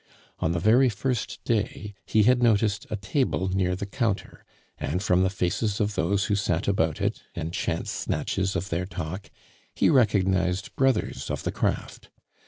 On the very first day he had noticed a table near the counter, and from the faces of those who sat about it, and chance snatches of their talk, he recognized brothers of the craft.